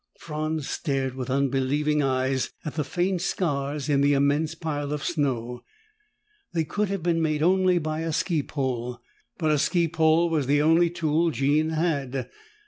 Franz stared with unbelieving eyes at the faint scars in the immense pile of snow. They could have been made only by a ski pole, but a ski pole was the only tool Jean had.